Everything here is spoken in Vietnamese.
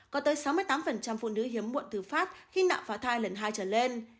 có tới sáu mươi tám phụ nữ hiếm muộn từ phát khi nạo phá thai lần hai trở lên